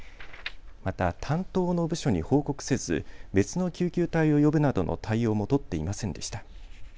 また、担当の部署に報告せず別の救急隊を呼ぶなどの対応も取っていませんでした。